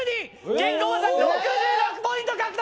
ケンコバさん６６ポイント獲得！